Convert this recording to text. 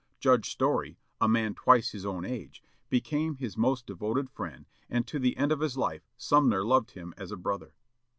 Judge Story, a man twice his own age, became his most devoted friend, and to the end of his life Sumner loved him as a brother.